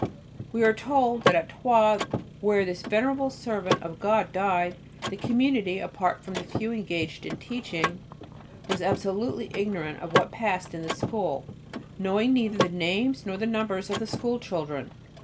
We are told that at Troyes, where this venerable servant of God died, the Community, apart from the few engaged in teaching, was absolutely ignorant of what passed in the school, knowing neither the names nor the numbers of the school children.